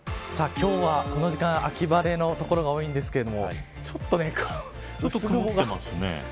今日は、この時間秋晴れの所が多いんですけれどもちょっと雲が。